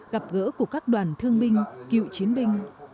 gặp gỡ của các đoàn thương binh cựu chiến binh